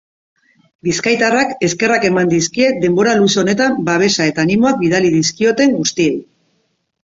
Bizkaitarrak eskerrak eman dizkie denbora luze honetan babesa eta animoak bidali dizkioten guztiei.